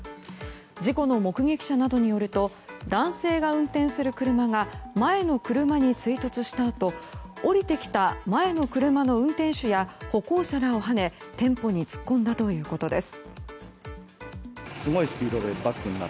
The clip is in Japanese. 事故の目撃者などによると男性が運転する車が前の車に追突したあと降りてきた前の車の運転手や歩行者らをはね店舗に突っ込んだということです。